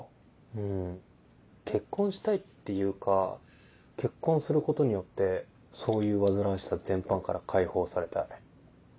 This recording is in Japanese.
うん。結婚したいっていうか結婚することによってそういう煩わしさ全般から解放されたい。